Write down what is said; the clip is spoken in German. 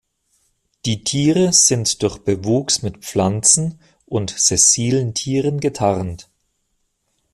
Die Tiere sind durch Bewuchs mit Pflanzen und sessilen Tieren getarnt.